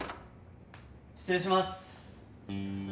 失礼します。